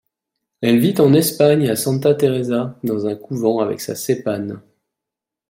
Elle vit en Espagne, à Santa Teresa, dans un couvent avec sa Cêpane.